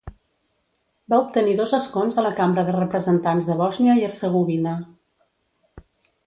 Va obtenir dos escons a la Cambra de Representants de Bòsnia i Hercegovina.